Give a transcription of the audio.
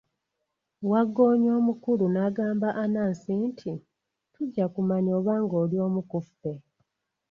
Waggoonya omukulu n'agamba Anansi nti, tujja kumanya oba ng'oli omu ku ffe.